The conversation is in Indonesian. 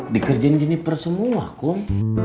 dikerjain jeniper semua kum